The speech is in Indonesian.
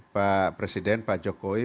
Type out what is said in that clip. pak presiden pak jokowi